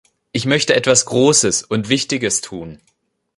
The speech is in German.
Ich möchte etwas Großes und Wichtiges tun.